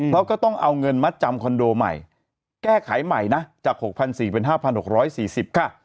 เพราะก็ต้องเอาเงินมัดจำคอนโดใหม่แก้ไขใหม่นะจาก๖๔๐๐เป็น๕๖๔๐ค่ะ